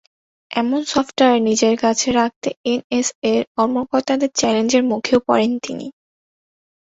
এমন সফটওয়্যার নিজের কাছে রাখতে এনএসএর কর্মকর্তাদের চ্যালেঞ্জের মুখেও পড়েন তিনি।